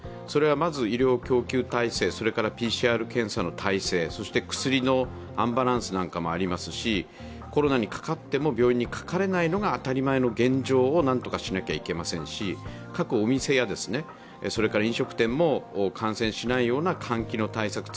それはまず医療供給体制、ＰＣＲ検査の体制そして、薬のアンバランスなんかもありますしコロナにかかっても病院にかかれないのが当たり前の現状をなんとかしなきゃいけませんし各お店やそれから飲食店も感染しないような換気の対策